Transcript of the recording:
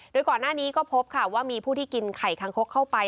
โดยก่อนหน้านี้ก็พบค่ะว่ามีผู้ที่กินไข่คางคกเข้าไป